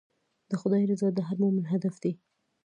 د خدای رضا د هر مؤمن هدف دی.